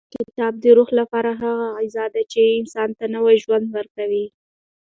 کتاب د روح لپاره هغه غذا ده چې انسان ته نوی ژوند ورکوي.